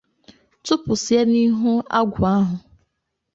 tụpụsịa n'ihu agwụ ahụ